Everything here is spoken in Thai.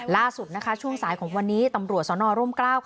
ล่าสุดช่วงสายของวันนี้ตำรวจสนร่มกล้า